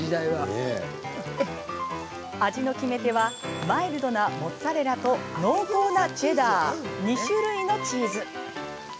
味の決め手はマイルドなモッツァレラと濃厚なチェダー、２種類のチーズ。